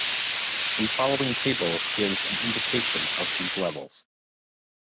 The following table gives an indication of these levels.